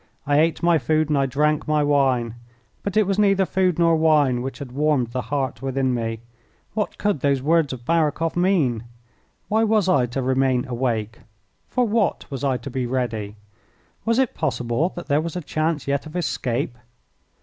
I ate my food and I drank my wine, but it was neither food nor wine which had warmed the heart within me. What could those words of Barakoff mean? Why was I to remain awake? For what was I to be ready? Was it possible that there was a chance yet of escape?